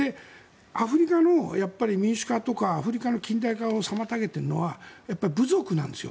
アフリカの民主化とかアフリカの近代化を妨げているのは部族なんです。